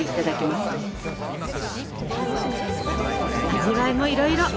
味わいもいろいろ！